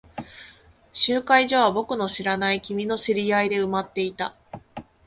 集会所は僕の知らない君の知り合いで埋まっていた。